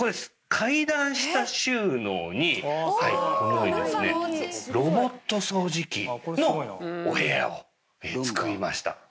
階段下収納にはいこのようにですねロボット掃除機のお部屋を作りました。